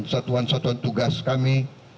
satuan satuan tugas kami